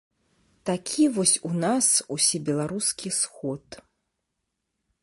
Такі вось у нас усебеларускі сход.